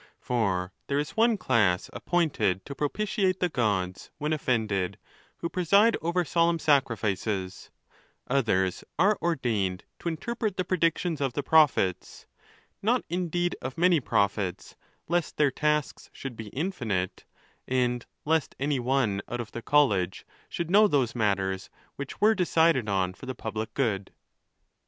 | For there is one class appointed to propitiate the gods, when offended, who preside over solemn sacrifices; others are ordained to interpret the predictions of the prophets, not in deed of many prophets, lest their tasks should be infinite, and lest any one out of the college should know those matters which were decided on for the public good.